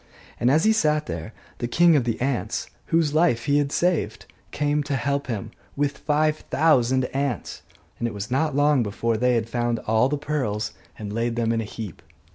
And as he sat there, the king of the ants (whose life he had saved) came to help him, with five thousand ants; and it was not long before they had found all the pearls and laid them in a heap.